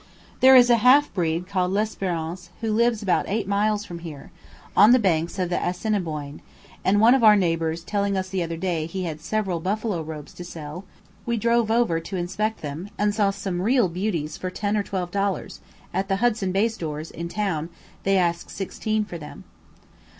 There is a half breed called L'Esperance who lives about eight miles from here, on the banks of the Assiniboine; and one of our neighbours telling us the other day he had several buffalo robes to sell, we drove over to inspect them, and saw some real beauties for ten or twelve dollars; at the Hudson Bay stores, in town, they ask sixteen for them.